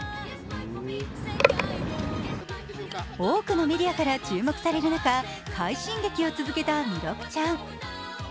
多くのメディアから注目される中、快進撃を続けた弥勒ちゃん。